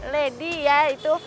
lady ya itu